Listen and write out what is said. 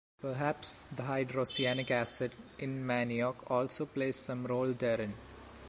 Perhaps, the hydrocyanic acid in manioc also plays some role therein.